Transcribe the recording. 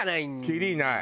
きりない。